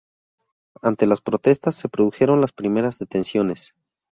Ante las protestas, se produjeron las primeras detenciones.